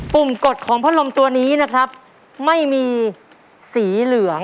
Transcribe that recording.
ุ่มกดของพัดลมตัวนี้นะครับไม่มีสีเหลือง